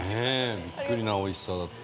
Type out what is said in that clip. びっくりなおいしさだった。